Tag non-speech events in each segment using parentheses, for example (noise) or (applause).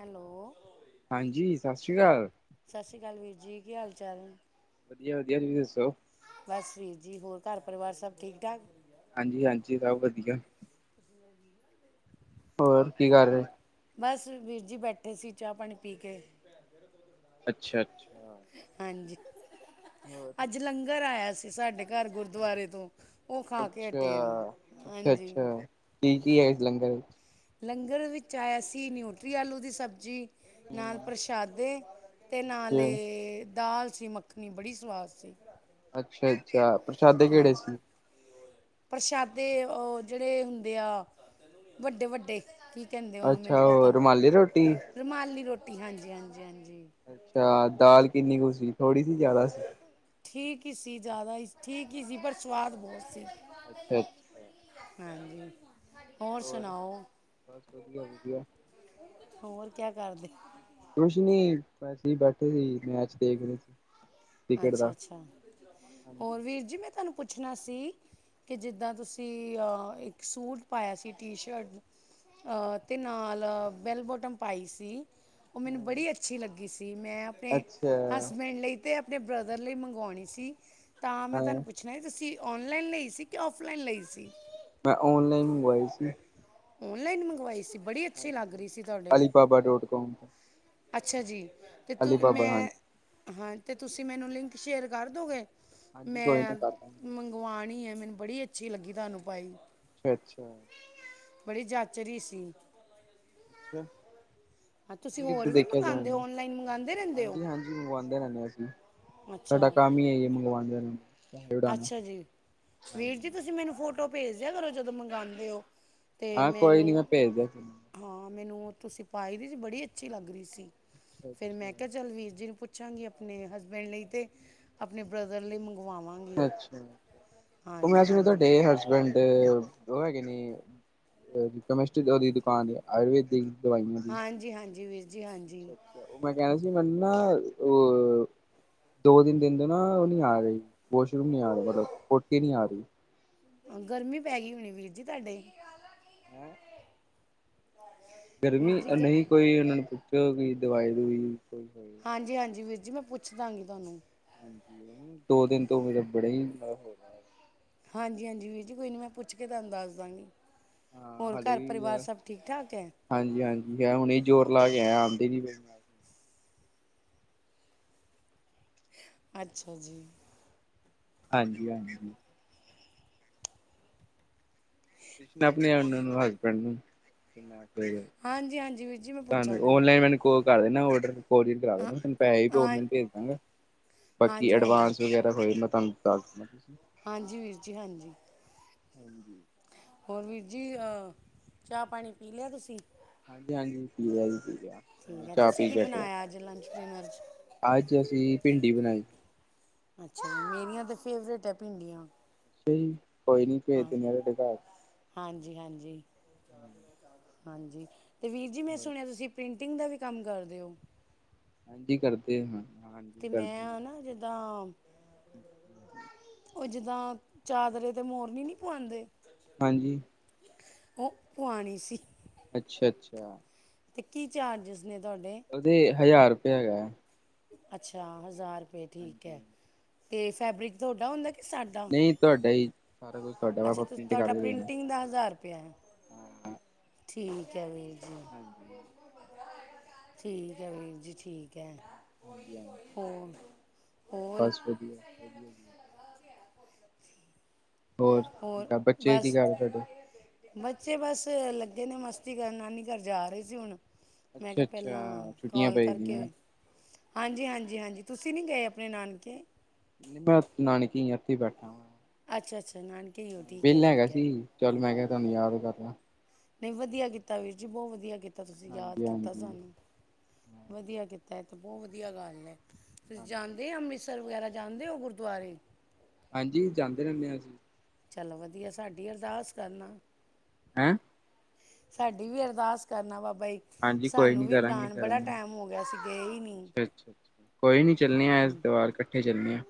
Hello ਹਾਂਜੀ ਸਤਿ ਸ੍ਰੀ ਅਕਾਲ ਸਤਿ ਸ਼੍ਰੀ ਅਕਾਲ ਵੀਰ ਜੀ ਕੀ ਹਾਲ ਚਾਲ ਵਧੀਆ ਵਧੀਆ ਤੁਸੀਂ ਦੱਸੋ। ਬਸ ਵੀਰ ਜੀ ਹੋਰ ਘਰ ਪਰਿਵਾਰ ਸਭ ਠੀਕ ਠਾਕ ਹਾਂਜੀ ਹਾਂਜੀ ਸਭ ਵਧੀਆ। ਹੋਰ ਕੀ ਕਰ ਰਹੇ। ਬਸ ਵੀਰ ਜੀ ਬੈਠੇ ਸੀ ਚਾਹ ਪਾਣੀ ਪੀ ਕੇ ਅੱਛਾ ਅੱਛਾ। ਹਾਣ ਜੀ ਅੱਜ ਲੰਗਰ ਆਇਆ ਸੀ। ਅਸੀਂ ਸਾਡੇ ਘਰ ਗੁਰਦੁਆਰੇ ਤੋਂ ਉਹ ਖਾ ਕੇ ਹਟੇ ਆ ਅੱਛਾ- ਹਾਂਜੀ ਅੱਛਾ-ਅੱਛਾ ਕੀ, ਕੀ ਹੈ ਇਸ ਲੰਗਰ ਵਿੱਚ? ਲੰਗਰ ਵਿੱਚ ਆਇਆ ਸੀ, ਨਿਊਟਰੀ ਆਲੂ ਦੀ ਸਬਜ਼ੀ। ਨਾਲ ਹੂੰ, ਪ੍ਰਸ਼ਾਦੇ ਤੇ ਨਾਲ ਅੱਛਾ ਏ ਦਾਲ ਸੀ ਮੱਖਣੀ ਬੜੀ ਸਵਾਦ ਸੀ। ਅੱਛਾ-ਅੱਛਾ। ਪ੍ਰਸ਼ਾਦੇ ਕਿਹੜੇ ਹਾਂਜੀ ਸੀ? ਪ੍ਰਸ਼ਾਦੇ ਉਹ ਜਿਹੜੇ ਹੁੰਦੇ ਆ, ਵੱਡੇ-ਵੱਡੇ ਕੀ ਕਹਿੰਦੇ ਉਹਨੂੰ ਮੈਨੂੰ ਅੱਛਾ ਉਹ ਪਤਾ, ਰੁਮਾਲੀ ਰੋਟੀ ਰੁਮਾਲੀ ਰੋਟੀ। ਟੀ ਹਾਂਜੀ-ਹਾਂਜੀ-ਹਾਂਜੀ-ਹਾਂਜੀ। ਅੱਛਾ ਦਾਲ ਕਿੰਨੀ ਕੁ ਸੀ? ਥੋੜੀ ਸੀ ਜਿਆਦਾ ਸੀ। ਠੀਕ ਹੀ ਸੀ, ਜ਼ਿਆਦਾ ਹੀ ਠੀਕ ਹੀ ਸੀ, ਪਰ ਸਵਾਦ ਬਹੁਤ ਸੀ। ਅੱਛਾ-ਅੱਛਾ। ਹਾਂਜੀ। ਹੋਰ ਬਸ ਵਧੀਆ, ਵਧੀਆ। ਹੋਰ ਕਿਆ ਕਰਦੇ? ਕੁਛ ਨੀ, ਅਸੀ ਬੈਠੇ ਸੀ ਮੈਚ ਦੇਖ ਰਹੇ ਸੀ। ਕ੍ਰਿਕਟ ਦਾ ਅੱਛਾ-ਅੱਛਾ ਹੋਰ ਹਾਂਜੀ, ਵੀਰ ਜੀ ਮੈਂ ਤੁਹਾਨੂੰ ਪੁੱਛ ਪੁੱਛਣਾ ਸੀ, ਕਿ ਜਿੱਦਾਂ ਤੁਸੀਂ ਇੱਕ ਸੂਟ ਪਾਇਆ ਸੀ, ਟੀ ਸ਼ਰਟ ਅਤੇ ਨਾਲ ਬੈਲ ਬੋਟਮ ਪਾਈ ਸੀ। ਉਹ ਮੈਨੂੰ ਬੜੀ ਅੱਛੀ ਲੱਗੀ ਸੀ, ਮੈਂ ਆਪਣੇ ਅੱਛਾ ਹਸਬੈਂਡ ਲਈ ਤ ਦੇ ਬ੍ਰਦਰ ਲਈ ਮੰਗਵਾਣੀ ਸੀ। ਤਾਂ ਮੈਂ ਹਾਂ ਤੁਹਾਨੂੰ ਪੁੱਛਣਾ ਜੀ ਤੁਸੀਂ ਔਨਲਾਈਨ ਲਈ ਸ, ਕਿ ਔਫਲਾਈਨ ਲਈ ਸੀ। ਮੈਂ ਔਨਲਾਈਨ ਮੰਗਵਾਈ ਸੀ। ਔਨਲਾਈਨ ਮੰਗਵਾਈ ਸੀ। ਬੜੀ ਅੱਛੀ ਲੱਗ ਹਾਂਜੀ ਰਹੀ ਸੀ (inaudible) ਤੁਹਾਡੇ ਅਲੀ ਬਾਬਾ ਡੋਟ ਕੋਮ ਤੋਂ। ਅੱਛਾ ਜੀ। ਅਤੇ ਤੂੰ ਅਲੀਬਾਬਾ ਹਾਂਜੀ ਮੈਂ, ਹਾਂ। ਅਤੇ ਤੁਸੀਂ ਮੈਨੂੰ ਲਿੰਕ ਸ਼ੇਅਰ ਕਰ ਦੋਗੇ। ਹਾਂਜੀ ਕੋਈ ਮੈਂ ਨਾ ਕਰ ਦਾਂਗੇ ਮੰਗਵਾਨੀ ਐ ਮੈਨੂੰ ਬੜੀ ਅੱਛੀ ਲੱਗੀ ਤੁਹਾਨੂੰ ਪਾਈ। ਅੱਛਾ, ਅੱਛਾ। ਬੜੀ ਜਚ ਰਹੀ ਸੀ। ਅੱਛਾ। ਹਾਂ ਤੁਸੀਂ ਤੁਸੀਂ ਕਿਥੇ ਹੋਰ ਵੀ ਦੇਖਿਆ ਜਾਂਦੇ? ਮੰਗਵਾਉਂਦੇ ਹੋ ਔਨਲਾਈਨ ਮੰਗਵਾਉਂਦੇ ਰਹਿੰਦੇ ਹੋ -ਹਾਂਜੀ, ਹਾਂਜੀ ਮੰਗਵਾਉਂਦੇ ਰਹਿੰਦੇ ਅਸੀਂ, ਸਾਡਾ ਅੱਛਾ ਕੰਮ ਹੀ ਏਹੀ ਹੈ, ਮੰਗਵਾਨ ਦੇ ਅੱਛਾ ਜੀ ਵੀਰ ਜੀ ਤੁਸੀਂ ਮੈਨੂੰ ਫੋਟੋ ਭੇਜ ਦੇਆ ਕਰੋ ਜਦੋਂ ਮੰਗਾਦੇ ਹੋ। ਹਾਂ ਕੋਈ ਨੀ ਮੈਂ ਭੇਜਦਾ ਹ ਮੈਨੂੰ ਤੁਸੀਂ ਪਾਈ ਦੀ ਸੀ ਬੜੀ ਅੱਛੀ ਲੱਗ ਰਹੀ ਸੀ। ਫੇਰ ਮੈਂ ਕਿਹਾ ਅੱਛਾ ਚਲ ਵੀਰ ਜੀ ਨੂੰ ਪੁੱਛ ਪੁਛਾਂਗੀ ਆਪਣੇ ਹਸਬੈਂਡ ਲਈ, ਤੇ ਆਪਣੇ ਬ੍ਰਦਰ ਲਈ ਮੰਗਵਾਵਾਂ। ਅੱਛਾ ਉਹ ਮੈਂ ਸੁਣਿਆ ਹਾਂਜੀ ਤੁਹਾਡੇ ਹਸਬੈਂਡ ਉਹ ਹੈਗੇ ਨੇ ਕੈਮਿਸਟ ਉਹਦੀ ਦੁਕਾਨ ਆਯੁਰਵੇਦਿਕ ਹਾਂਜੀ, ਹਾਂਜੀ ਵੀਰ ਜੀ। ਅੱਛਾ, ਹਾਂਜੀ ਅੱਛਾ ਉਹ ਮੈਂ ਕਹਿ ਰਿਹਾ ਸੀ। ਨਾ ਉਹ ਦੋ ਤਿੰਨ ਦਿਨ ਤੋਂ ਨਾ ਉਹ ਨਹੀਂ ਆ ਰਹੀ ਵਾਸ਼ਰੂਮ ਨ ਆ ਰਹੀ ਮਤਲਬ ਪੋਟੀ ਨਹੀਂ ਆ ਰਹੀ। ਗਰਮੀ ਪੈ ਗਈ ਹੋੁਣੀ ਵੀਰ ਜੀ ਤੁਹਾਡੇ। ਹੈ। ਵੀਰ ਗਰਮੀ ਜੀ ਗ ਨਹੀਂ ਕੋਈ ਉਹਨਾਂ ਨੂੰ ਜੋ ਕਿ ਦਵਾਈ, ਦਵੁਈ ਹਾਂਜੀ-ਹਾਂਜੀ ਵੀਰ ਜੀ ਮੈਂ, ਪੁੱਛਦਾਂਗੀ ਤੁਹਾਨੂੰ ਦੋ ਦਿਨ ਤੋਂ, ਮੇਰਾ ਬੜਾ ਹੀ ਹਾਂਜੀ-ਹਾਂਜੀ। ਵੀਰਜੀ। ਕੋਈ ਨਹੀਂ ਮੈਂ' ਪੁੱਛ ਕੇ ਤੁਹਾਨੂੰ ਦੱਸ ਦਾਂਗੀ। ਹਾਂ ਹੋਰ, ਹਾਲੇ ਘਰ-ਪਰਿਵਾਰ ਸਭ ਠੀਕ-ਠਾਕ ਹੈ? ''ਮੈਂ ਹੁਣੇ ਹੀ ਜੋੋਰ ਲਾ ਕੇ ਆਯਾ ਆਉਂਦੇ ਨੀ ਪਈ। ਅੱਛਾ ਜੀ। ਹਾਂਜੀ- ਹਾਂਜੀ। (unintelligible) ਹਸਬੈਂਡ ਨੂੰ ਹਾਂਜੀ- ਹਾਂਜੀ, ਵੀਰ ਜੀ ਮੈਂ (unintelligible) ਪੁੱਛਾਂਗੀ ਔਨਲਾਇਨ ਉਹ ਕਰਦੇ ਨਾ, ਔਡਰ। ਕੋਰਿਅਰ ਕਰਵਾ ਦੇਵਾਂ, ਹਾਂ ਤੁਹਾਨੂੰ ਪੈਹੇ ਮੈਂ ਹਾਂ ਆਨਲਾਈਨ ਭੇਜ ਦਾਂਗਾ। ਬਾਕੀ ਹਾਂਜੀ ਹਾਂਜੀ ਐਡਵਾਂਸ ਵਗੈਰਾ ਹੋਏ (unintelligible) ਹਾਂਜੀ ਵੀਰ ਜੀ, ਹਾਂਜੀ। (inaudible) ਹੋਰ, ਵੀਰ ਜੀ। ਅ--ਚਾਹ ਪਾਣੀ ਪੀ ਲਿਆ ਤੁਸੀਂ? ਹਾਂਜੀ-ਹਾਂਜੀ ਪੀ ਲੇਆ ਜੀ ਪੀ ਲਿਆ ਹੁਣੇ ਠੀਕ ਹੈ। ਚਾਹ ਤੁਸੀਂ ਪੀ ਕੀ ਕੇ ਹਟੇ ਬਣਾਇਆ ਅੱਜ ਲੰਚ, ਡਿਨਰ'ਚ? ਅੱਜ ਅਸੀਂ ਭਿੰਡੀ ਬਣਾਈ। ਅੱਛਾ। ਮੇਰੀਆਂ ਤੇ ਫੇਵਰੇਟ ਹੈ ਭਿੰਡੀਆਂ। ਤੇ ਕੋਈ ਨੀ ਭੇਜ ਹਾਂ ਦਿੰਨੇ ਆ, ਤੁਹਾਡੇ ਘਰ। ਹਾਂਜੀ -ਹਾਂਜੀ। ਹਾਂਜੀ। ਤੇ ਵੀਰ ਜੀ, 'ਮੈਂ' ਸੁਣਿਆ ਤੁਸੀ ਪ੍ਰਿੰਟ ਟਿੰਗ ਦਾ ਵੀ ਕੰਮ ਕਰਦੇ ਓ? ਹਾਂਜੀ ਕਰਦੇ ਹਾਂ। ਹਾਂਜੀ ਤੇ, ਮੈਂ, ਕਰਦੇ ਹਾਂ ਆਨਾ ਜਿੱਦਾਂ ਓ ਜਿੱਦਾਂ, ਚਾਦਰੇ ਤੇ, ਮੋਰਨੀ ਨੀ ਪੁਆਂਦੇ ਹਾਂਜੀ। ਓ ਪਵਾਣੀ ਸੀ। ਅੱਛਾ- ਅੱਛਾ। ਤੇ, ਕੀ ਚਾਰਜਿਸ? ਨੇ ਤੁਹਾਡੇ। ਹਜ਼ਾਰ ਰੁਪਯਾ ਹੈਗਾ ਐ। ਅੱਛਾ ਹਜ਼ਾਰ। ਫੇਰ ਠੀਕ ਐ। ਤੇ ਫੈਬਰਿਕ ਤੌਡਾ ਹੁੰਦਾ ਐ? ਨਈ ਤੁਹਾਡਾ ਹੀ ਸਾਰਾ ਕੁਛ ਤੁਹਾਡਾ ਅੱਛਾ ਆਪਾਂ ਤੇ ਪ੍ਰਿੰਟ ਤੁਹਾਡਾ ਕਰਕੇ ਦੇਣਾ ਪ੍ਰਿੰਟਿੰਗ ਦਾ ਰੁਪਇਆ ਹੈ ਐ। ਠੀਕ ਹੈ ਵੀ। ਹਾਂਜੀ। ਠੀਕ ਹੈ ਵੀਰ ਜੀ ਠੀਕ। ਹੈ ਹਂਜੀ ਹਾਂਜੀ ਹੋਰ ਹੋਰ ਬਸ ਵਧੀਆ ਵਧੀਆ। ਹੋਰ ਬੱਚੇ ਕੀ ਕਰ ਰਹੇ ਤੁਹਾਡੇ। ਬੱਚੇ ਬਸ ਲੱਗੇ ਨੇ ਮਸਤੀ ਕਰਨ ਨਾਨੀ ਘਰ ਜਾ ਰਹੇ ਸੀ ਹੁਣ। ਮੈਂ ਕਿਹਾ ਪੇਲਾਂ ਅੱਛਾ-ਅੱਛਾ ਛੁੱਟੀਆਂ ਕਾਲ ਪਈ ਦੀਆਂ ਕਰਕੇ ਹਾਂਜੀ ਹਾਂਜੀ ਹਾਂਜੀ। ਤੁਸੀ ਨੀ ਗਏ ਅਪਣੇ ਨਾਨਕੇ। ਨਈ ਮੈਂ ਨਾਨਕੀ ਇੱਥੇ ਬੈਠਾ। ਅੱਛਾ ਅਛ। ਵੇਲਾ ਹੈਗਾ ਸੀ ਚੱਲ ਮੈਂ ਕਿਹਾ ਤੁਹਾਨੂੰ ਯਾਦ ਕਰਨਾ। ਨਈ ਵਧੀਆ ਕੀਤਾ ਵੀਰ ਜੀ ਬੋ ਵਧੀਆ ਕੀਤਾ ਤੁਸੀ ਯਾਦ ਹਾਂਜੀ ਕੀਤਾ ਹਾਂਜੀ ਸਾਨੂੰ ਵਧੀਆ ਕੀਤਾ। ਐ ਤੇ ਬੋ ਵਧੀਆ ਗੱਲ ਐ। ਤੁਸੀ ਧੰਨਵਾਦ ਜਾਂਦੇ ਅੰਮ੍ਰਿਤਸਰ ਵਗੈਰਾ? ਜਾਂਦੇ ਹੋ ਗੁਰਦੁਆਰੇ ਹਾਂਜੀ ਜਾਂਦੇ ਰਹਿੰਦੇ ਹਾਂ ਅਸੀਂ ਚਲੋ ਵਧੀਆ ਸਾਡੀ ਅਰਦਾਸ ਕਰਨਾ ਹੈਂ ਸਾਡੀ ਵੀ ਅਰਦਾਸ ਕਰਨਾ ਬਾਬਾ ਬਈ ਹਾਂਜੀ ਕੋਈ ਸਾਨੂੰ ਨੀ ਵੀ ਕਰਾਂਗੇ ਬੁਲਾਉਣ ਬੜਾ ਕਰਾਂਗੇ ਟਾਈਮ ਹੋ ਗਿਆ ਅਸੀਂ ਗਏ ਹੀ ਨਹੀਂ ਅੱਛਾ ਅੱਛਾ ਅੱਛਾ ਕੋਈ ਨੀ ਚੱਲਣੇ ਆ ਇਸ ਵਾਰ ਇਕੱਠੇ ਚੱਲਣੇ ਆ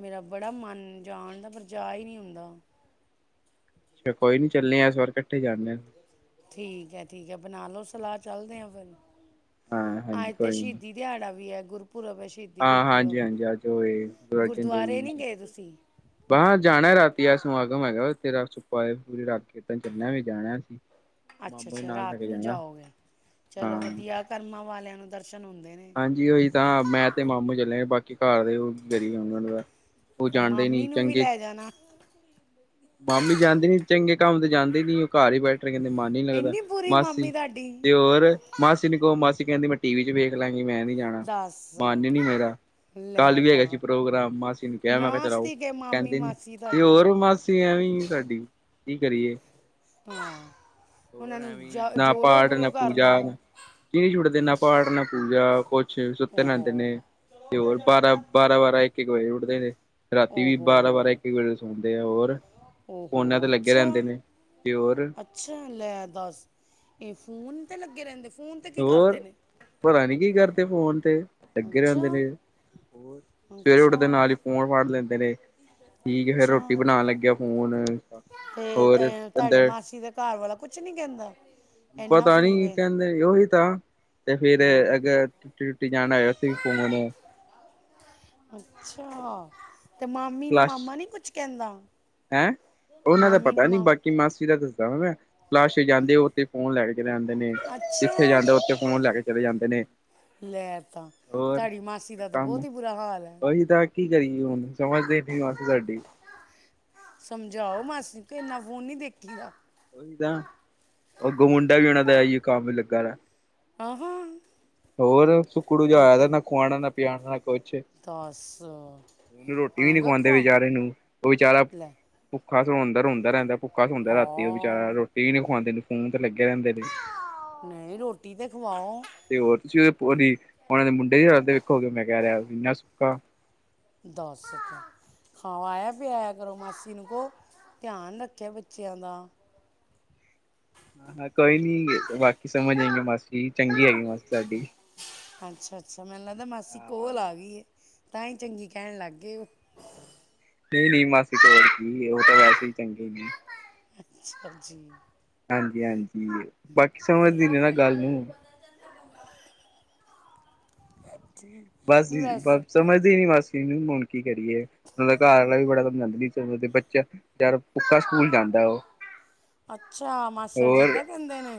ਮੇਰਾ ਬੜਾ ਮਨ ਜਾਣ ਦਾ ਪਰ ਜਾਚ ਹੀ ਨਹੀਂ ਆਦਾ ਅੱਛਾ ਕੋਈ ਨੀ ਚੱਲੇ ਆ ਇਸ ਵਾਰ ਇਕੱਠੇ ਜਾਂਦੇ ਹ ਠੀਕ ਹੈ ਠੀਕ ਹੈ ਬਣਾ ਲਓ ਸਲਾਹ ਚੱਲਦੇ ਆ ਫਿਰ ਹਾਂ ਹਾਂਜੀ ਆੱਜ ਤੇ ਕੋਈ ਨੀ ਸ਼ਹੀਦੀ ਦਿਹਾੜਾ ਵੀ ਹੈ ਗੁਰਪੁਰਬ ਹੈ ਸ਼ਹੀਦੀ ਹਾਂ ਹਾਂਜੀ ਗੁਰਪੁਰਬ ਹਾਂਜੀ ਅੱਜ ਹੋਏ ਗੁਰੂ ਅਰਜਨ ਦੇਵ ਗੁਰਦੁਆਰੇ ਨਹੀਂ ਜੀ ਗਏ ਤੁਸੀਂ ਬਾਹ ਜਾਣਾ ਰਾਤੀ ਦਾ ਸਮਾਗਮ ਹੈਗਾ ਤੇ ਰ ਸੁਪਾ ਪੂਰੀ ਰਗ ਕੇ ਤਾਂ ਚੱਲਿਆ ਵੀ ਜਾਣਾ ਸੀ ਅੱਛਾ ਅੱਛਾ ਰਾਤ ਨੂੰ ਜਾਓਗੇ ਚਲੋ ਹਾਂ ਵਧੀਆ ਕਰਮਾਂ ਵਾਲਿਆਂ ਨੂੰ ਦਰਸ਼ਨ ਹੁੰਦੇ ਨੇ ਹਾਂਜੀ ਉਹੀ ਤਾਂ ਮੈਂ ਤੇ ਮਾਮੂ ਚੱਲਿਆ ਬਾਕੀ ਘਰ ਦੇ ਉਹ ਗਰੀ ਹ ਦਾ ਉਹ ਤੇ ਜਾਣਦੇ ਨੀ ਮਾਮੀ ਨੂੰ ਵੀ ਚੰਗੇ ਲੈ ਜਾਣਾ ਮਾਮੀ ਜਾਂਦੇ ਨੀ ਚੰਗੇ ਕੰਮ ਤੇ ਜਾਂਦੇ ਨੀ ਉਹ ਘਰ ਹੀ ਬੈਠੇ ਕਹਿੰਦੇ ਮਨ ਨੀ ਲੱਗਦਾ ਇੰਨੀ ਪੂਰੀ ਮਾਸੀ ਮਾਮੀ ਤੁਹਾਡੀ ਤੇ ਹੋਰ ਮਾਸੀ ਨ ਕਹੋ ਮਾਸੀ ਕਹਿੰ ਮੈਂ ਟੀ ਵੀ ਚੇਖ ਮੈਂ ਨੀ ਜਾਣਾ ਦੱਸ ਮਨ ਨੀ ਮੇਰਾ ਲੈ ਕੱਲ ਵੀ ਹੈਗਾ ਸੀ ਤਾਂ ਪ੍ਰੋਗਰਾਮ ਮਾਸੀ ਨੂੰ ਕਿਹਾ ਮੈਂ ਕਿਹਾ ਚਲਾਓ ਨਾਸਤੀ ਕੇ ਮਾਮੀ ਕਹਿੰਦੇ ਨ ਮਾਸੀ ਤੇ ਤੁਹਾਡੀ ਹੋਰ ਮਾਸੀ ਐਵੇਂ ਸਾਡੀ ਕੀ ਕਰੀਏ ਹਾਂ ਉਹਨਾਂ ਹੋਰ ਨੂੰ ਐਵੇਂ ਜ- ਨਾ ਜੋੜੋ ਪਾਠ ਗੁਰੂ ਨਾ ਘਰ ਪੂਜਾ ਨਾਲ ਕੀ ਨੀ ੁੱਡਦੇ ਨਾ ਪਾੜਨ ਪੂ ਜਾਂਾ ਕੁਛ ਅੱਛੇ ਸੱਤੇ ਨ ਓਹੋ ਦੇ ਨੇ ਤੇ ਹੋਰ ਬਾਰਾਂ ਬਾਰਾਂ ਬਾਰਾਂ ਗਵਾਏ ਉੱਠਦੇ ਨੇ ਰਾਤੀ ਵੀ ਬਾਰਾਂ ਬਾਰਾਂ ਇੱਕ ਇੱਕ ਵਜੇ ਸੌਂਦੇ ਆ ਹੋਰ ਫੋਨਾਂ ੋ ਤੇ ਲੱਗੇ ਅੱਛਾ ਰਹਿੰਦੇ ਨੇ। ਤੇ ਹੋਰ ਅੱਛਾ ਲੈ ਦੱਸ ਇਹ ਫੋਨ ਲੱਗੇ ਰਹਿੰਦੇ ਫੋਨ ਤੇ ਕੀ ਹੋਰ ਕਰਦੇ ਨੇ ਪਤਾ ਨੀ ਕੀ ਕਰਦੇ ਫੋਨ ਤੇ ਲੱਗੇ ਅੱਛਾ ਰਹਦੇ ਨੇ ਹੋਰ ਸਵੇਰੇ ਅੱਛਾ ਉੱਠਦੇ ਨਾਲ ਹੀ ਫੋਨ ਫੜ ਲੈਂਦੇ (unintelligible) ਠੀਕ ਫੇਰ ਰੋਟੀ ਅੱਛਾ ਬਣਾਉਣ ਲੱਗਿਆ ਫੋਨ ਤੇ ਹੋਰ ਅਹ, ਤੁਹਾਡੇ ਕਹਿੰਦੇ ਮਾਸੀ ਦਾ ਘਰ ਵਾਲਾ ਕੁਝ ਨਹੀਂ ਕਹਿੰਦਾ ਇੰਨਾ ਪਤਾ ਫੋਨ ਨੀ ਵੇ ਕਹਿੰਦੇ ਉਹੀ ਤੇ ਫੇਿਰ ਹਾਂ ਅਗ ਟੁ ਅਸ ਪਗ ਨੇ ਅੱਛਾ ਤੇ ਮਾਮੀ ਨੂੰ ਮਾਮਾ ਨੀ ਕੁਛ ਕੇੰਦ ਹੈਂ ਉਹਨਾਂ ਦਾ ਪਤਾ ਨੀ ਬਾਕੀ ਮਾਸੀ ਦਾ ਦੱਸ ਤਾਂੈਂ (inaudible) ਫਲੈਸ਼ ਜਾਂਦੇ ਉੱਥੇ ਫੋਨ ਲੈ ਕੇ ਜਾਂਦੇ ਨੇ ਜਿੱਥੇ ਅੱਛਾ ਜਾਂਦੇ ਉੱਥੇ ਫੋਨ ਲੈ ਕੇ ਚਲੇ ਜਾਂਦੇ ਨੇ। ਲੈ ਤਾਂ ਹੋਰ ਤੁਹਾਡੀ ਮਾਸੀ ਦਾ ਤਾਂ ਕੰਮ ਬਹੁਤ ਹੀ ਬੁਰਾ ਹਾਲ ਹੈ। ਉਹੀ ਤਾਂ ਕੀ ਕਰੀਏ ਹੁਣ ਸਮਝਦੇ ਨੀ ਮਾਸੀ ਸਾਡੀ। ਸਮਝਾਓ ਮਾਸੀ ਕੇ ਇਨਾ ਫੋਨ ਨੀ ਦੇਖੀ ਦਾ। ਉਹੀ ਤਾਂ ਉਹ ਗ ਮੁੰਡਾ ਵੀ ਉਹਨਾ ਦਾ ਇਹੀ ਕੰਮ ਲੱਗਾ ਵ। ਆਹਾਂ ਹੋਰ ਸੁੱਕੜੂ ਜਿਹਾ ਇਹ ਹੋਇਆ ਦਾ ਤੇ ਨਾ ਖਵਾਨਾ ਨਾ ਪਣਾ ਦਾ (inaudible) ਦੱਸ ਕੁਛ-ਰੋਟੀ ਵੀ ਨੀ ਆਂਗਾ ਖਵਾਉਂਦੇ ਖਵਾ ਬਚਾਰੇ ਨੂੰ ਉਹ ਵਿਚਾਰਾ ਲੈ ਖੱਖਾੋਂਂਦਾ ਰੋਂੁੰਦਾ ਰਹਿੰਦਾ (inaudible) ਕਾਸ ਹੁੰਦਾ ਰਾਤ (inaudible) ਤੇ ਉਹ ਵਿਚਾਰਾ ਹਾਂ ਰੋਟੀ ਵੀ ਨਹੀਂ ਖਵਾਉਂਦੇ (inaudible) ਨੇ ਨਹੀਂ ਰੋਟੀ ਤੇ ਖਵਾਓ ਤੇ ਹੋਰ ਤੁਸੀਂ ਉਹਦੇ ਦੀ ਉਹਨਾਂ ਦੇ ਮੁੰਡੇ ਹੀ ਵੇਖੋਗੇ ਮੈਂ ਕਹਿ ਰਿਹਾ ਇੰਨਾ ਸੁੱਕਾ (inaudible) ਦਸ ਖਵਾਇਆ ਪਿਆਇਆ ਕਰੋ ਮਾਸੀ ਨੂੰ ਕਹੋ ਧਿਆਨ ਰੱਖਿਆ ਬੱਚਿਆਂ ਦਾ। ਕੋਈ ਨੀ ਬਾਕੀ ਸਮਝ ਜਾਗੀ ਮਾਸੀ ਚੰਗੀ ਹੈਗੀ ਮਾਸੀ ਸਾਡੀ। ਅੱਛਾ-ਅੱਛਾ ਮੈਨੂੰ ਲੱਗਦਾ ਮਾਸੀ ਕੋਲ ਹਾਂ ਆ ਗਈ ਏ। ਤਾਈ ਚੰਗੀ ਕਹਿਣ ਲਾਗੇ ਨਹੀਂ ਨਹੀਂ ਮਾਸੀ ਕੋਲ ਹੀ ਸੀ ਉਹ ਤਾਂ ਵੈਸੇ ਹੀ ਚੰਗੇ ਹਾਂਜੀ ਹਾਂਜੀ ਹਾਂਜੀ ਬਾਕੀ ਸਮਝਦੀ ਨੀ ਠੀਕ ਨਾ ਹੈ ਗੱਲ ਨੂੰ ਠੀਕ ਬਸ ਨਹੀਂ ਜੀ ਬਸ ਵੈਸੇ ਸਮਝਦੀ ਨੀ ਮਾਸੀ ਹੁਣ। ਕੀ ਕਰੀਏ ਓਂਦਾ ਘਰ ਆਲਾ ਵੀ ਬੜਾ ਸਮਝਾਦਾ ਵੀ ਛੋਟਾ ਬੱਚਾ ਭੁੱਖਾ ਸਕੂਲ ਜਾਂਦਾ ਓ ਅੱਛਾ ਮਾਸੜ ਜੀ ਏਦਾਂ ਕਹਿੰਦੇ ਨੇ।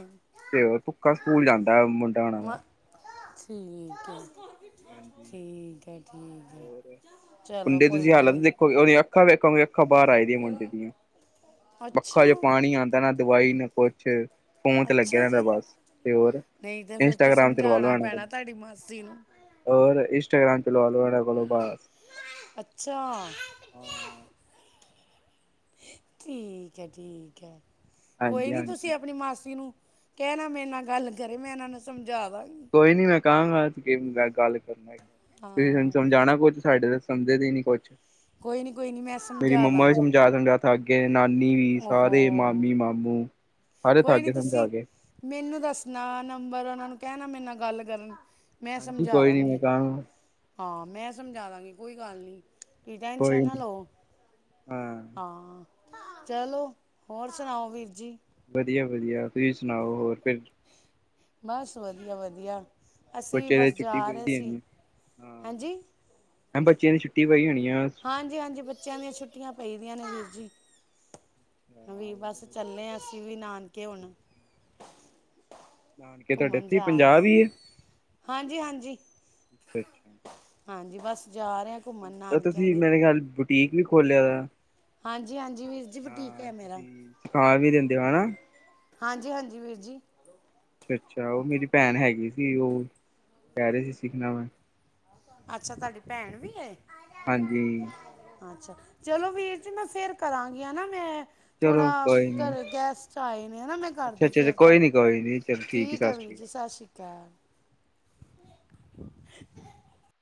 ਤੇ ਹੋਰ ਭੁੱਖਾ ਸਕੂਲ ਜਾਂ ਦਾ ਮੁੰਡਾ ਉਹਨਾਂ ਮਾ ਦਾ ਠੀਕ ਹੈ। ਠੀਕ ਹੈ ਠੀਕ ਹੈ ਚਲੋ ਮੁੰਡੇ ਦੀ ਕੋਈ ਤੁਸੀਂ ਗੱਲ ਹਾਲਤ ਨਹੀਂ ਦੇਖੋਗੇ ਉਹਦੀਆਂ ਅੱਖਾਂ ਵੇਖੋਗੇ ਅੱਖਾਂ ਬਾਹਰ ਆਈ ਦੀਆਂ ਮੁੰਡੇ ਦੀਆਂ ਅੱਛਾ ਅੱਖਾਂ ਜੋ ਪਾਣੀ ਆਂਦਾ ਨਾ ਦਵਾਈ ਨੂੰ ਕੁਛ ਫੋਨ ਤੇ ਲੱਗਿਆ ਅੱਛਾ ਰਹਿੰਦਾ ਜੀ ਬਸ ਤੇ ਹੋਰ ਨਹੀਂ ਤੇ ਫਿਰ ਤੇ ਇੰਸਟਾਗ੍ਰਾਮ ਚਲਵਾ ਸਮਝਾਉਣਾ ਪੈਣਾ ਤੁਹਾਡੀ ਮਾਸੀ ਨੂੰ। ਔਰ ਇੰਸਟਾਗ੍ਰਾਮ ਚਲਵਾ ਲੋ ਏਨਾ ਕੋਲੋ ਬੱਸ। ਅੱਛਾ। ਹਾਂ ਠੀਕ ਹੈ, ਠੀਕ ਹੈ। ਕੋਈ ਹਾਂਜੀ ਨੀ ਤੁਸੀਂ ਹਾਂਜੀ ਆਪਣੀ ਮਾਸੀ ਨੂੰ ਕਹਿਣਾ ਮੇਰੇ ਨਾਲ ਗੱਲ ਕਰੇ ਮੈਂ ਇਹਨਾਂ ਨੂੰ ਸਮਝਾ ਵਾਂ। ਕੋਈ ਨੀ ਮੈਂ ਕਹਾਂਗਾ ਗੱਲ ਕਰਨਗੇ ਤੁਸੀਂ ਸਾਨੂੰ ਹਾਂ ਸਮਝਾਉਣਾ ਕੁੱਝ ਸਾਡੇ ਤਾਂ ਸਮਝ ਦੇ ਨੀ ਕੁਛ ਕੋਈ ਨੀ ਕੋਈ ਨੀ ਮੈਂ ਸਮਝਾ ਦਾਂਗੀ। ਥੱ ਕ ਗੇ ਨਾਨੀ ਵੀ ਸਾਰੇ ਓਹੋ ਮਾਮੀ, ਮਾਮੂ ਸਾਰੇ ਕੋਈ ਥੱਕ ਨੀ ਗਏ ਤੁਸੀਂ ਸਮਝਾ ਕੇ ਮੈਨੂੰ ਦੱਸਣਾ ਨੰਬਰ ਉਹਨਾਂ ਨੂੰ ਕਹਿਣਾ ਮੇਰੇ ਨਾਲ ਗੱਲ ਕਰਨ ਮੈਂ ਹਾਂਜੀ ਸਮਝਾ ਕੋਈ ਨੀ ਮੈਂ ਦਾਂਗੀ ਕਹਾਂਗਾ। ਹਾਂ ਮੈਂ ਸਮਝਾ ਦਾਂਗੀ ਕੋਈ ਗੱਲ ਨਹੀਂ। ਤੁ ਟੈਨਸ਼ ਕੋਈ ਨਾ ਨੀ ਲੋਹਾ ਹਾਂ ਹਾ ਚਲੋ ਹੋਰ ਸੁਣਾਓ ਵੀਰ ਜੀ ਵਧੀਆ ਵਧੀਆ ਤੁਸੀਂ ਸੁਣਾਓ ਹੋਰ ਫਿਰ ਬਸ ਵਧੀਆ, ਵਧੀਆ। ਅਸੀਂ ਬੱਚੇ ਦੀ ਬਸ ਛੁੱਟੀ ਜਾ ਪਈ ਰਹੇ ਦੀ ਸੀ ਹੈਨੀ ਹਾਂਜੀ। ਮੈਂੱਚਿਆਂ ਦੀਛੁੱਟੀ ਪਈ ਹੋਣੀ ਆ। ਹਾਂਜੀ, ਹਾਂਜੀ। ਬੱਚਿਆਂ ਦੀਆਂ ਛੁੱਟੀਆਂ ਪਈਦੀਆਂ ਨੇ ਜੀ। ਜੀ। ਵੀ ਬਸ ਚੱਲੇ ਆ ਅਸੀਿਵੀ ਨਾਨਕੇ ਹੋਣ ਨਾਨਕੇ ਤੁਹਾਡੇ ਇਥੇ ਪੰਜਾਹ ਹੀਮ ਹਾਂਜੀ ਹਾਂਜੀ ਆਛਾ, ਅੱਛਾ। ਹਾਂਜੀ। ਬਸ। ਜਾ ਰਹੇ ਹਾਂ ਘੁੰਮਣ ਨਾਨਕਿਆਂ ਤੁਸੀਂ ਦੇ ਮੇਰੇ ਖਿਆਲ ਟੀਕ ਵੀ ਖੋਲਿਆ ਦਾ ਹਾਂਜੀ ਹਾਂਜੀ ਵੀਰ ਜੀ ਬੁਟੀਕ ਹਾਂ ਹੈ ਮੇਰਾ ਤੁਸੀ ਸਿਖਾ ਵੀ ਦਿੰਦੇ ਹਨ ਨਾ ਹਾਂਜੀ, ਹਾਂਜੀ। ਵੀਰ ਜੀ। ਅੱਛਾ ਅੱਛਾ ਉਹ ਮੇਰੀ ਭੈਣ ਹੈਗੀ ਸੀ ਉਹ ਕਹਿ ਰਹੇ ਸੀ ਸਿੱਖਣਾ ਮੈਂ ਅੱਛਾ। ਤੁਹਾਡੀ ਭੈਣ ਵੀ ਹੈ। ਹਾਂਜੀ। ਅੱਛਾ। ਚਲੋ ਵੀਰ ਜੀ ਮੈਂ ਫੇਿਰ ਕਰਾਂਗੀ ਹ ਨਾ ਮੈਂ ਥੋੜਾ ਚਲੋ ਕੋਈ ਨੀ ਘਰੇ ਗੈਸ ਚ ਆਏ ਨੇ ਹਨਾ ਮੈਂ ਕਰਦੀ ਅੱਛਾ-ਅੱਛਾ ਫੇਰ ਕੋਈ ਤੁਹਾਨੂੰ ਨੀ ਕੋਈ ਨੀ ਚਲੋ ਠੀਕ ਸਤਿ ਹੈ ਸ਼੍ਰੀ ਵੀਰ ਅਕਾਲ। ਜੀ। ਸਤਿ ਸ਼੍ਰੀ ਅਕਾਲ। (unintelligible) (inaudible)